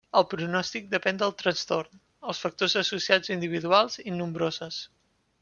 El pronòstic depèn del trastorn, els factors associats individuals i nombroses.